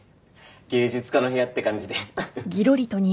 芸術家の部屋って感じで。